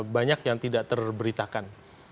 banyak yang tidak terberitakan